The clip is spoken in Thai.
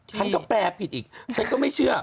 ฉันก็แปลผิดอีกฉันก็ไม่เชื่อ